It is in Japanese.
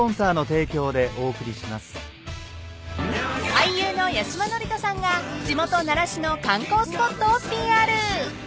［俳優の八嶋智人さんが地元奈良市の観光スポットをＰＲ］